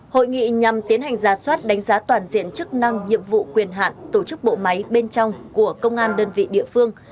hội nghị nhằm tiến hành ra soát đánh giá toàn diện chức năng nhiệm vụ quyền hạn tổ chức bộ máy bên trong của công an đơn vị địa phương